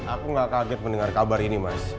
aku gak kaget mendengar kabar ini mas